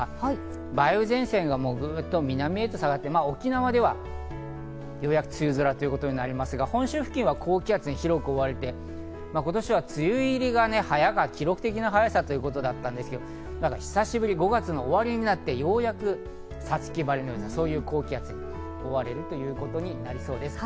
梅雨前線がグッと南に下がって、沖縄ではようやく梅雨空ということになりそうですが、今週付近は高気圧に覆われて、今年は梅雨入りが記録的な早さということだったんですけど、久しぶり、５月の終わりになってようやく五月晴れのような高気圧に覆われるということになります。